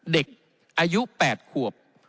เด็กอายุ๘ขวบ